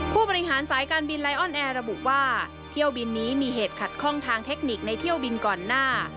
ผู้บริหารสายการบินไลออนแอร์ระบุว่าเที่ยวบินนี้มีเหตุขัดข้องทางเทคนิคในเที่ยวบินก่อนหน้า